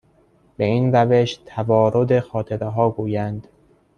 به این روش توارد خاطرهها گویند